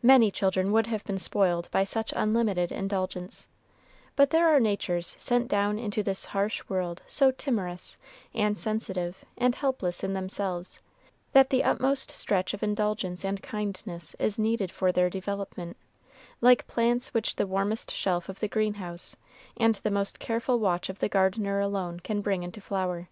Many children would have been spoiled by such unlimited indulgence; but there are natures sent down into this harsh world so timorous, and sensitive, and helpless in themselves, that the utmost stretch of indulgence and kindness is needed for their development, like plants which the warmest shelf of the green house and the most careful watch of the gardener alone can bring into flower.